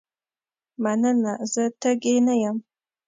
مننه زه تږې نه یم.